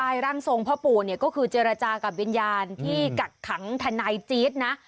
ใช่ร่างทรงพ่อปู่เนี่ยก็คือเจรจากับวิญญาณที่กักขังทนายจี๊ดนะ